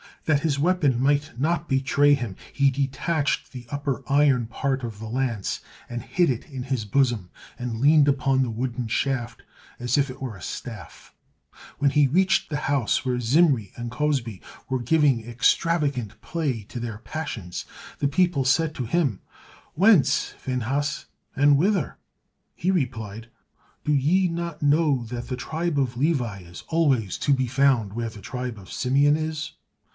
That his weapon might not betray him, he detached the upper iron part of the lance and hid it in his bosom, and leaned upon the wooden shaft as if it were a staff. When he reached the house where Zimri and Cozbi were giving extravagant play to their passions, the people said to him, "Whence, Phinehas, and whither?" He replied, "Do ye not know that the tribe of Levi is always to be found where the tribe of Simeon is?"